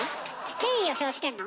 敬意を表してんの？